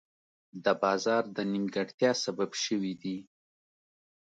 د بازار د نیمګړتیا سبب شوي دي.